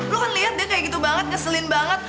lu kan liat dia kayak gitu banget ngeselin banget